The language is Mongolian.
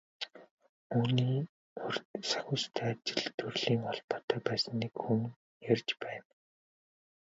Үүний урьд Сахиустай ажил төрлийн холбоотой байсан нэг хүн ярьж байна.